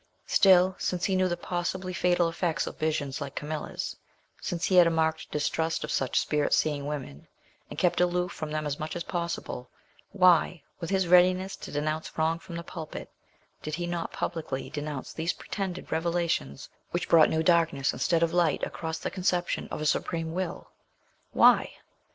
Still, since he knew the possibly fatal effects of visions like Camilla's, since he had a marked distrust of such spirit seeing women, and kept aloof from them as much as possible, why, with his readiness to denounce wrong from the pulpit, did he not publicly denounce these pretended revelations which brought new darkness instead of light across the conception of a Supreme Will? Why?